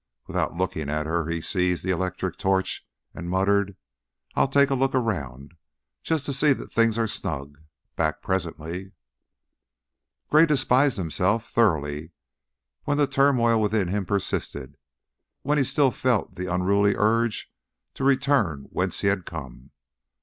Without looking at her he seized the electric torch and muttered: "I'll take a look around, just to see that things are snug. Back presently." Gray despised himself thoroughly when the turmoil within him persisted; when he still felt the unruly urge to return whence he had come.